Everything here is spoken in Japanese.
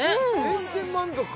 全然満足！